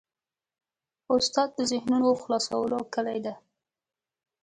استاد د ذهنونو خلاصولو کلۍ ده.